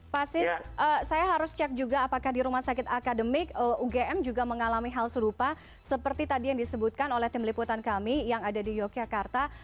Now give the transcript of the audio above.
pak sis saya harus cek juga apakah di rumah sakit akademik ugm juga mengalami hal serupa seperti tadi yang disebutkan oleh tim liputan kami yang ada di yogyakarta